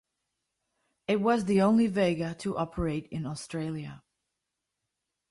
It was the only Vega to operate in Australia.